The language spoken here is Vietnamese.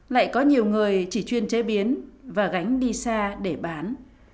lại có nhiều người chỉ chuyên chế biến và gánh đi xa để bán